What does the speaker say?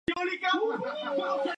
Ha grabado en disco.